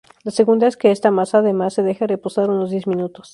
La segunda es que esta masa además se deja reposar unos diez minutos.